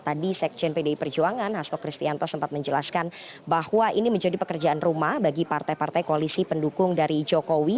tadi sekjen pdi perjuangan hasto kristianto sempat menjelaskan bahwa ini menjadi pekerjaan rumah bagi partai partai koalisi pendukung dari jokowi